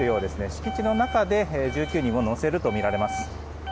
敷地の中で１９人を乗せるとみられます。